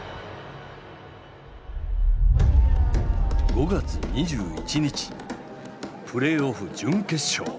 ５月２１日プレーオフ準決勝。